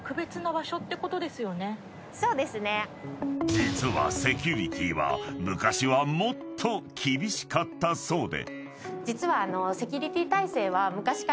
［実はセキュリティーは昔はもっと厳しかったそうで］